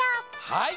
はい！